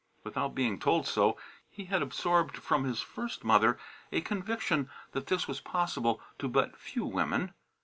Without being told so, he had absorbed from his first mother a conviction that this was possible to but few women.